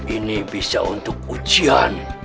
ini bisa untuk ujian